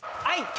はい。